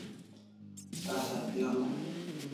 Tasa pi onim